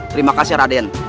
terima kasih raden